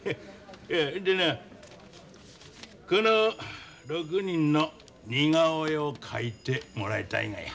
でなこの６人の似顔絵を描いてもらいたいんがや。